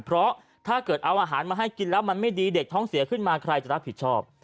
เพราะถ้าเกิดเอาอาหารมาให้กินแล้วมันไม่ดีเด็กท้องเสียขึ้นมาใครจะรับผิดชอบ